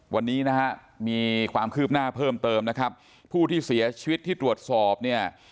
วันนี้นะฮะมีความคืบหน้าเพิ่มเติมนะครับผู้ที่เสียชีวิตที่ตรวจสอบเนี่ย